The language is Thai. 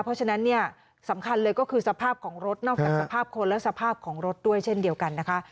เพราะฉะนั้นเนี่ยสำคัญเลยก็คือสภาพของรถนอกจากสภาพคนและสภาพของรถด้วยเช่นเดียวกันนะคะ